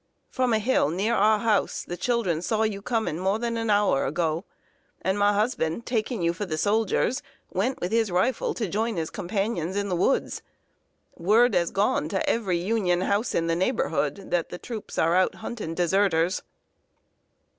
From a hill near our house, the children saw you coming more than an hour ago; and my husband, taking you for the soldiers, went with his rifle to join his companions in the woods. Word has gone to every Union house in the neighborhood that the troops are out hunting deserters."